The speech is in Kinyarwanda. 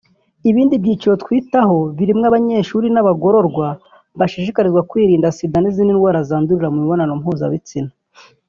Ibindi byiciro twitaho birimo abanyeshuri n’abagororwa bashishikarizwa kwirinda Sida n’izindi ndwara zandurira mu mibonano mpuzabitsina